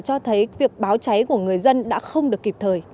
cho thấy việc báo cháy của người dân đã không được kịp thời